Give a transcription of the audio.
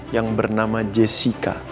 yang bernama jessica